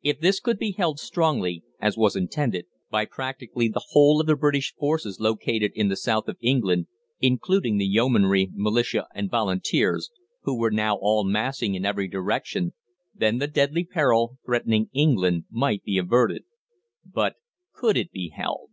If this could be held strongly, as was intended, by practically the whole of the British forces located in the South of England, including the Yeomanry, Militia, and Volunteers who were now all massing in every direction then the deadly peril threatening England might be averted. But could it be held?